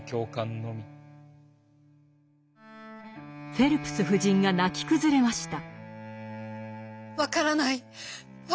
フェルプス夫人が泣き崩れました。